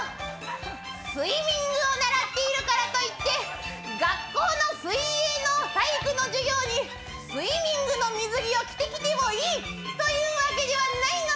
スイミングを習っているからといって学校の水泳の体育の授業にスイミングの水着を着てきてもいいというわけではないのさ。